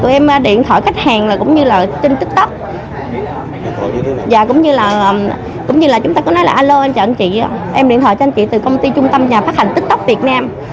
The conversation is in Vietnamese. em điện thoại cho anh chị từ công ty trung tâm nhà phát hành tiktok việt nam